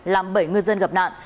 làm bảy ngư dân gặp nạn